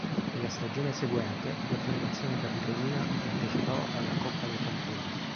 Nella stagione seguente la formazione capitolina partecipò alla Coppa dei Campioni.